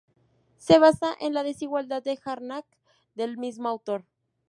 Se basa en la desigualdad de Harnack del mismo autor.